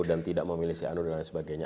dan tidak memilih si anu dan lain sebagainya